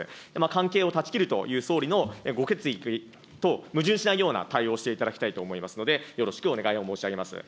関係を断ち切るという総理のご決意と矛盾しないような対応をしていただきたいと思いますので、よろしくお願いを申し上げます。